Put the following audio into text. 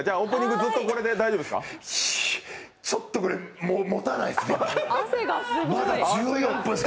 ずっとこれでいいですか？